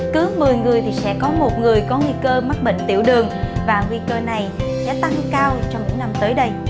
cứ một mươi người thì sẽ có một người có nguy cơ mắc bệnh tiểu đường và nguy cơ này sẽ tăng cao trong những năm tới đây